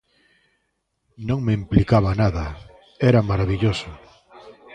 Non me implicaba nada, era marabilloso.